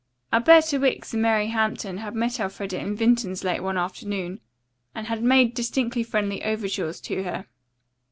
Alberta Wicks and Mary Hampton had met Elfreda in Vinton's late one afternoon, and had made distinctly friendly overtures to her.